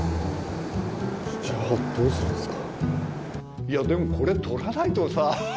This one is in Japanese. じゃあどうするんすか？